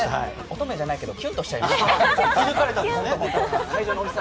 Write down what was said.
乙女じゃないけれどもキュンとしましたね。